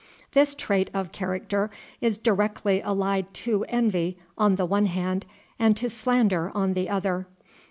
This trait of character is directly allied to envy on the one hand and to slander on the other.